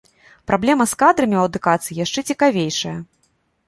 Праблема з кадрамі ў адукацыі яшчэ цікавейшая.